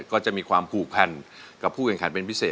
ก็จะมีความผูกพันกับผู้แข่งขันเป็นพิเศษ